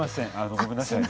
ごめんなさいね。